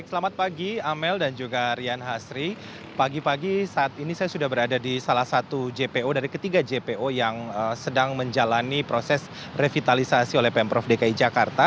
selamat pagi amel dan juga rian hasri pagi pagi saat ini saya sudah berada di salah satu jpo dari ketiga jpo yang sedang menjalani proses revitalisasi oleh pemprov dki jakarta